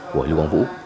của lưu quang vũ